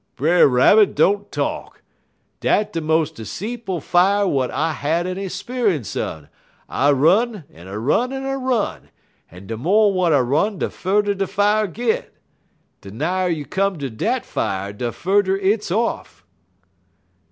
"'Brer Rabbit, don't talk! Dat de mos' 'seetful fier w'at I had any speunce un. I run, en I run, en I run, en de mo' w'at I run de furder de fier git. De nigher you come ter dat fier de furder hit's off.'